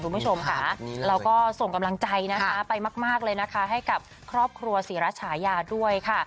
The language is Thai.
คุณผู้ชมค่ะเราก็ส่งกำลังใจนะคะไปมากเลยนะคะให้กับครอบครัวศรีรัชฉายาด้วยค่ะ